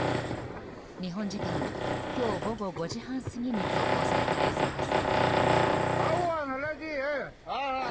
日本時間今日午後５時半過ぎに投稿された映像です。